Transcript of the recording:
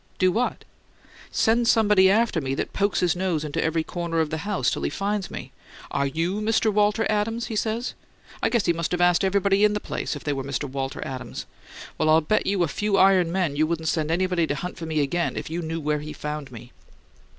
"Do what?" "Send somebody after me that pokes his nose into every corner of the house till he finds me! 'Are you Mr. Walter Adams?' he says. I guess he must asked everybody in the place if they were Mr. Walter Adams! Well, I'll bet a few iron men you wouldn't send anybody to hunt for me again if you knew where he found me!"